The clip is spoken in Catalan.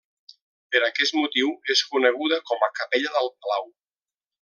Per aquest motiu és coneguda com a capella del Palau.